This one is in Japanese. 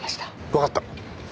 わかった。